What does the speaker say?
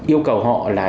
yêu cầu họ là